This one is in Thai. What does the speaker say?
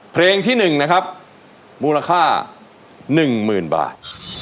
เพลงที่หนึ่งนะครับมูลค่าหนึ่งหมื่นบาท